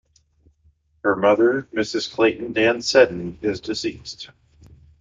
Her mother, Mrs. Clayton Dann Seddon, is deceased.